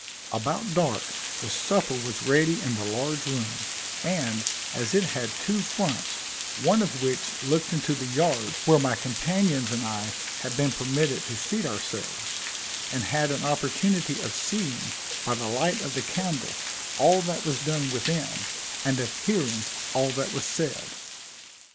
About dark the supper was ready in the large room, and, as it had two fronts, one of which looked into the yard where my companions and I had been permitted to seat ourselves, and had an opportunity of seeing, by the light of the candle, all that was done within, and of hearing all that was said.